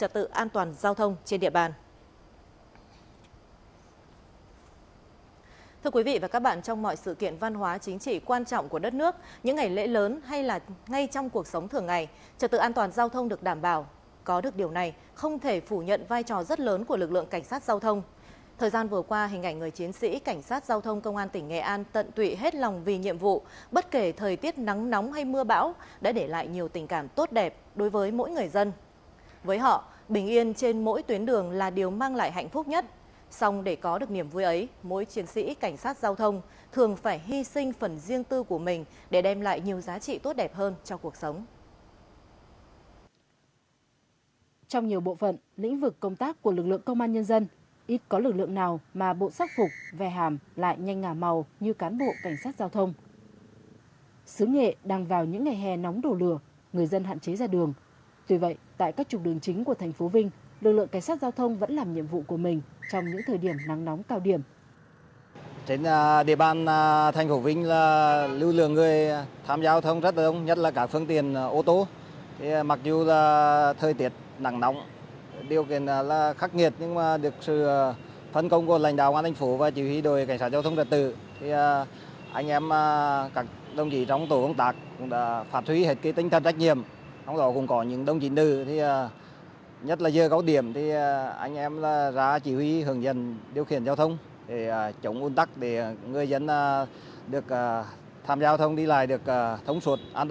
trong các vực công tác của lực lượng công an nhân dân ít có lực lượng nào mà bộ sắc phục vè hàm lại nhanh ngả mà bộ sắc phục vè hàm lại nhanh ngả mà bộ sắc phục vè hàm lại nhanh ngả mà bộ sắc phục vè hàm lại nhanh ngả mà bộ sắc phục vè hàm lại nhanh ngả mà bộ sắc phục vè hàm lại nhanh ngả mà bộ sắc phục vè hàm lại nhanh ngả mà bộ sắc phục vè hàm lại nhanh ngả mà bộ sắc phục vè hàm lại nhanh ngả mà bộ sắc phục vè hàm lại nhanh ngả mà bộ s